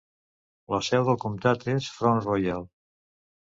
La seu del comtat és Front Royal.